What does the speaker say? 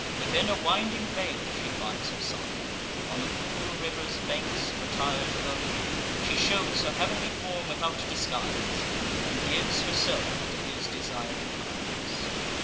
Within a winding vale she finds her son, On the cool river's banks, retir'd alone. She shews her heav'nly form without disguise, And gives herself to his desiring eyes.